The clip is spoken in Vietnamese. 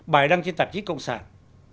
bài đăng trên tạp chí cộng sản